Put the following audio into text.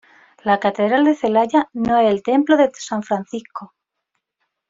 La Catedral de Celaya no es el Templo de San Francisco.